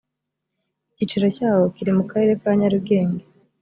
icyicaro cyawo kiri mu karere ka nyarugenge.